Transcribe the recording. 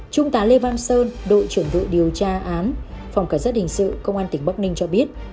trung tá lê văn sơn đội trưởng đội điều tra án phòng cảnh sát hình sự công an tỉnh bắc ninh cho biết